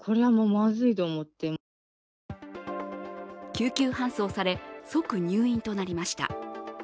救急搬送され、即入院となりました。